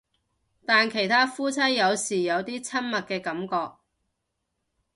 但其他夫妻有時有啲親密嘅感覺